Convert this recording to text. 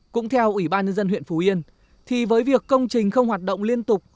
cũng theo ủy ban nhân dân huyện phú yên thì với việc công trình không hoạt động liên tục